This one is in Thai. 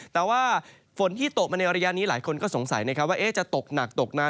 แต่ว่าฝนที่ตกมาในระยะนี้หลายคนก็สงสัยนะครับว่าจะตกหนักตกนาน